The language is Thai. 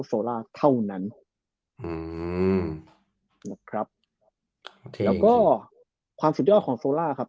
โซล่าเท่านั้นอืมนะครับแล้วก็ความสุดยอดของโซล่าครับ